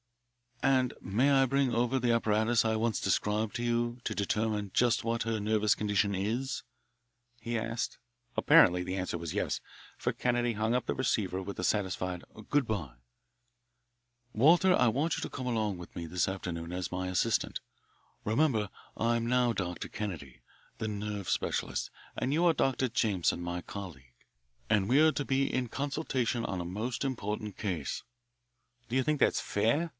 "And I may bring over the apparatus I once described to you to determine just what her nervous condition is?" he asked. Apparently the answer was yes, for Kennedy hung up the receiver with a satisfied, "Good bye." "Walter, I want you to come along with me this afternoon as my assistant. Remember I'm now Dr. Kennedy, the nerve specialist, and you are Dr. Jameson, my colleague, and we are to be in consultation on a most important case." "Do you think that's fair?"